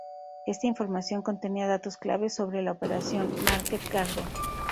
Esta información contenía datos claves sobre la Operación Market Garden.